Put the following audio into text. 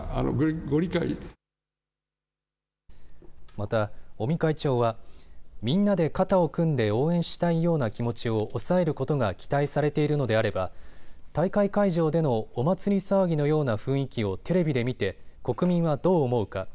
また、尾身会長はみんなで肩を組んで応援したいような気持ちを抑えることが期待されているのであれば大会会場でのお祭り騒ぎのような雰囲気をテレビで見て国民はどう思うか。